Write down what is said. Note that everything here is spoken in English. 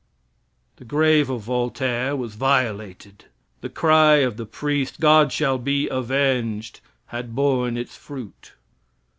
The grave of Voltaire was violated. The cry of the priest, "God shall be avenged!" had borne its fruit.